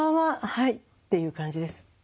はい」っていう感じです。